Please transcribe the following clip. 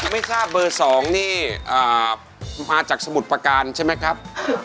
ไม่ทราบเบอร์๒นี่มาจากสมุทรประการใช่ไหมครับ